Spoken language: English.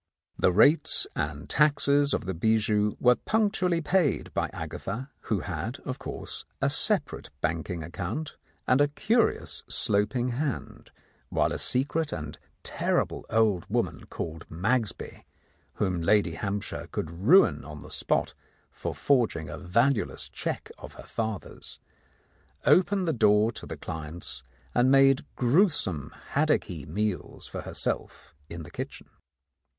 The rates and taxes of the bijou were punctually paid by Agatha, who had, of course, a separate banking account and a curious sloping hand, while a secret and terrible old woman called Magsby, whom Lady Hampshire could ruin on the spot for forging a valueless cheque of her father's, opened the door to the clients, and made gruesome haddocky meals for herself in the kitchen.